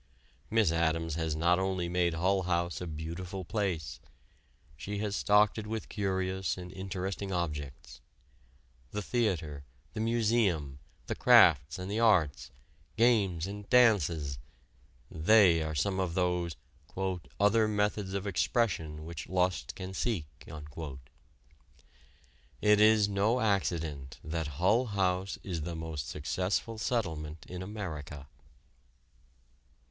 Miss Addams has not only made Hull House a beautiful place; she has stocked it with curious and interesting objects. The theater, the museum, the crafts and the arts, games and dances they are some of those "other methods of expression which lust can seek." It is no accident that Hull House is the most successful settlement in America.